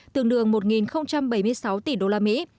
tương đương một bảy mươi sáu tỷ đô la mỹ